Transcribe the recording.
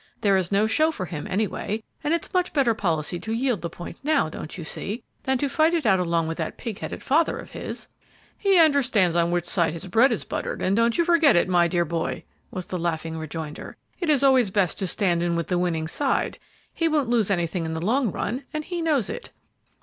There is no show for him, anyway, and it's much better policy to yield the point now, don't you see, than to fight it out along with that pig headed father of his." "He understands on which side his bread is buttered, and don't you forget it, my dear boy," was the laughing rejoinder. "It's always best to stand in with the winning side; he won't lose anything in the long run, and he knows it."